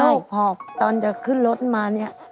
เขาเป็นโรคหอบตอนจะขึ้นรถมาเนี่ย